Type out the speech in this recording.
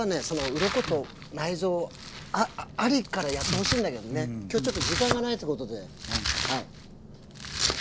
うろこと内臓ありからやってほしいんだけどね今日ちょっと時間がないっつうことで。